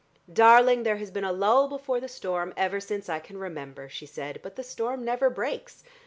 "Darling, there has been a lull before the storm ever since I can remember," she said, "but the storm never breaks.